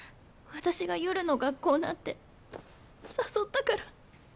私が夜の学校なんて誘ったから。